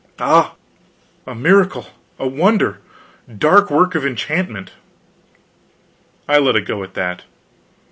"Ah h a miracle, a wonder! Dark work of enchantment." I let it go at that.